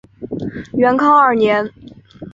元康二年。